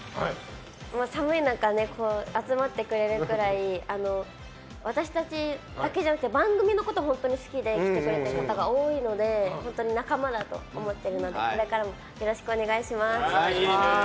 寒い中、集まってくれるくらい私たちだけじゃなくて番組のことを好きで来てくれてる方が多いので本当に仲間だと思ってこれからもよろしくお願いします。